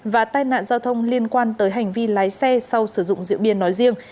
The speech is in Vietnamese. và tai nạn giao thông liên quan tới hành vi lái xe sau sử dụng rượu bia nói riêng